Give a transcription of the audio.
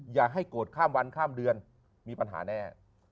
อย่าให้โกรธข้ามวันข้ามเดือนมีปัญหาแน่